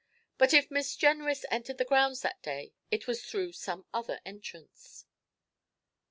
But if Miss Jenrys entered the grounds that day, it was through some other entrance.